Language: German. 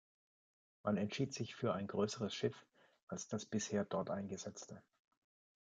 Man entschied sich für ein größeres Schiff als das bisher dort eingesetzte.